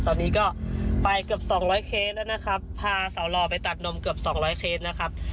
ตอนนี้ก็ไปเกือบ๒๐๐เคตแล้วนะครับพาสาวหลอกไปตัดนมเกือบ๒๐๐เคตนะครับ